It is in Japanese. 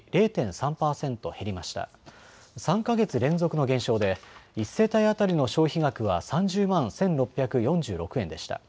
３か月連続の減少で１世帯当たりの消費額は３０万１６４６円でした。